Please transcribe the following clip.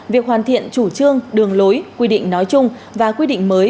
việc hoàn thiện chủ trương đường lối quy định nói chung và quy định mới